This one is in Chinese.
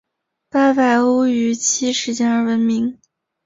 八百屋于七事件而闻名。